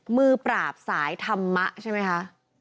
มือปราบสายธรรมะใช่ไหมคะ